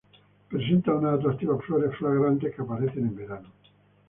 Presenta unas atractivas flores fragantes que aparecen en verano.